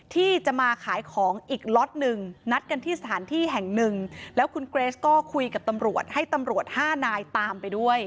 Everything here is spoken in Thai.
ที่จะมาขายของอีกล็อตหนึ่งนัดกันที่สถานที่แห่งหนึ่งแล้วคุณเกรสก็คุยกับตำรวจให้ตำรวจห้านายตามไปด้วย